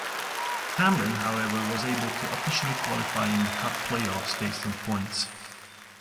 Hamlin however was able to officially qualify in the Cup Playoffs based on points.